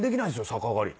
逆上がり。